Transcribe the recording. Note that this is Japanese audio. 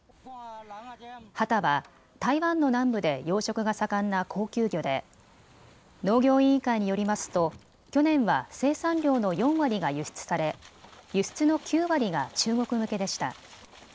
ハタは台湾の南部で養殖が盛んな高級魚で農業委員会によりますと去年は生産量の４割が輸出され、輸出の９割が中国向けでした。